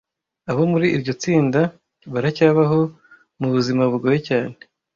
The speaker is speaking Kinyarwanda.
abo muri iryo tsinda baracyabaho mu buzima bugoye cyane